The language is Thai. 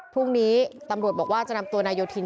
พรุ่งนี้ตำรวจบอกว่าจะนำตัวนายโยธิน